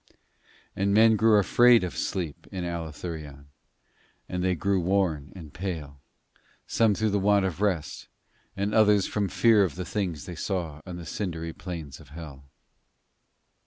And men grew afraid of sleep in Allathurion. And they grew worn and pale, some through the want of rest, and others from fear of the things they saw on the cindery plains of Hell.